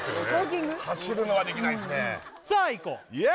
走るのはできないですねさあいこう！